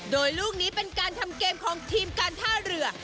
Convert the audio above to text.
โดยลูกนี้เป็นการทำเกมของทีมการท่าเรือ